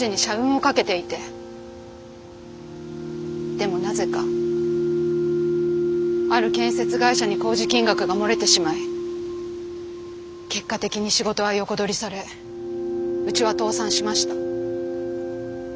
でもなぜかある建設会社に工事金額が漏れてしまい結果的に仕事は横取りされうちは倒産しました。